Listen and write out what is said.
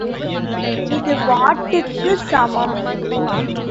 இது வாட்டுக்குச் சமம்.